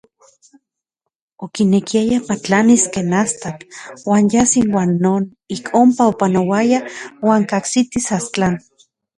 Okinekiaya patlanis ken astatl uan yas inuan non ik onpa opanoayaj uan kajsitis Astlan.